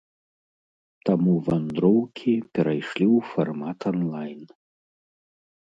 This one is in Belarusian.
Таму вандроўкі перайшлі ў фармат анлайн.